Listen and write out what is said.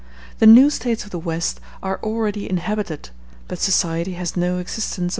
The new States of the West are already inhabited, but society has no existence among them.